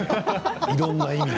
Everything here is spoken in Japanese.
いろんな意味で。